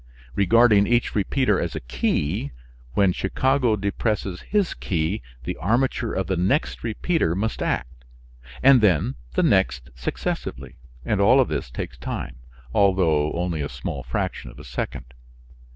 Regarding each repeater as a key, when Chicago depresses his key the armature of the next repeater must act, and then the next successively, and all of this takes time, although only a small fraction of a second.